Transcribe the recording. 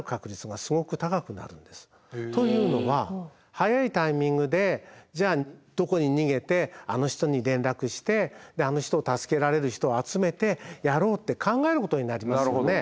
というのは早いタイミングでじゃあどこに逃げてあの人に連絡してあの人を助けられる人を集めてやろうって考えることになりますよね。